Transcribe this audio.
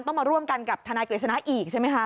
ต้องมาร่วมกันกับทนายกฤษณะอีกใช่ไหมคะ